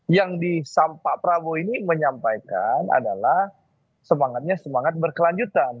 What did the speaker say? yang di pak prabowo ini menyampaikan adalah semangatnya semangat berkelanjutan